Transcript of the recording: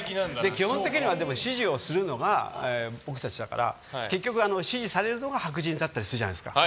基本的には指示をするのが僕たちだから結局、指示されるのが白人だったりするじゃないですか。